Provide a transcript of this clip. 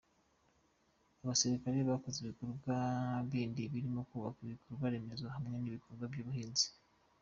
Abasirikare bakoze n’ ibikorwa bindi birimo kubaka ibikorwa remezo hamwe n’ibikorwa by’ubuhinzi.